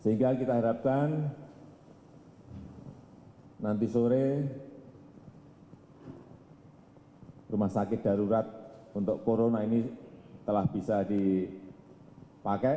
sehingga kita harapkan nanti sore rumah sakit darurat untuk corona ini telah bisa dipakai